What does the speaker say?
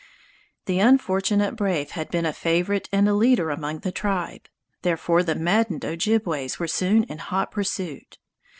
The unfortunate brave had been a favorite and a leader among the tribe; therefore the maddened Ojibways were soon in hot pursuit.